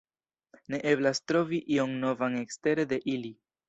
Ne eblas trovi ion novan ekstere de ili.